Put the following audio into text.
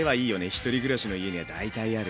１人暮らしの家には大体ある。